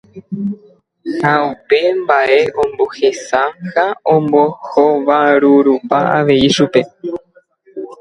Ha upe mba'e ombohesa ha ombohovarurupa avei chupe.